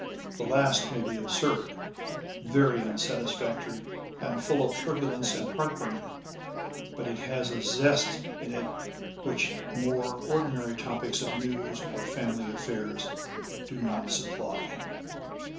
The last may be absurd, very unsatisfactory, and full of turbulence and heartburnings ; but it has a zest in it which more ordinary topics of news or family affairs do not supply.